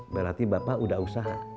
berarti bapak udah usaha